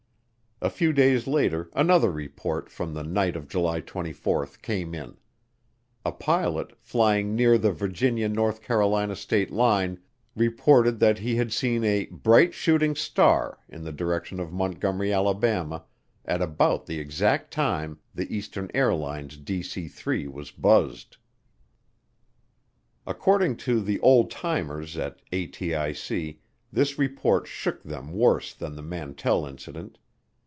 A few days later another report from the night of July 24 came in. A pilot, flying near the Virginia North Carolina state line, reported that he had seen a "bright shooting star" in the direction of Montgomery, Alabama, at about the exact time the Eastern Airlines DC 3 was "buzzed." According to the old timers at ATIC, this report shook them worse than the Mantell Incident.